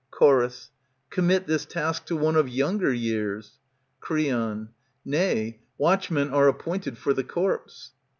Chor, Commit this task to one of younger years. Creon, Nay, watchmen are appointed for the corpse.